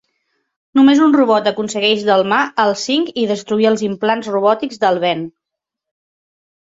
Només un robot aconsegueix delmar els Cinc i destruir els implants robòtics del Ben.